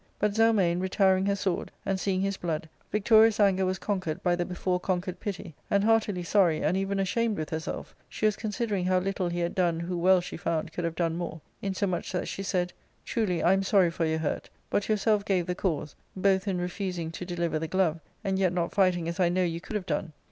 But Zelmane retiring her sword, and seeing bis blood, victorious anger was conquered by the before con quered pity, and heartily sorry, and even ashamed with her* self, she was considering how little he had done who well, she found, could have done more ; insomuch that she said, " Truly I am sorry for your hurt ; but yourself gave the cause, both in refusing to deliver the glove, and yet not fighting as I know you could have done.